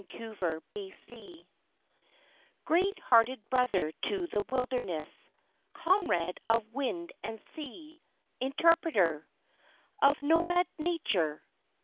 To Bliss Carman Great hearted brother to the wilderness, Comrade of Wind and Sea! Interpreter Of nomad Nature!